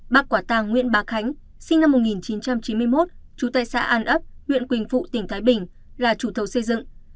bác quả tàng nguyễn bà khánh sinh năm một nghìn chín trăm chín mươi một trú tại xã an ấp huyện quỳnh phụ tỉnh thái bình là chủ thầu xây dựng